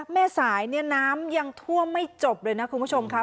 แม่สายน้ำยังทั่วไม่จบเลยนะคุณผู้ชมครับ